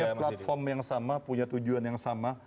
punya platform yang sama punya tujuan yang sama